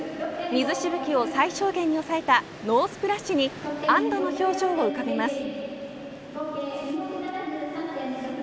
水しぶきを最小限に抑えたノースプラッシュに安堵の表情を浮かべます。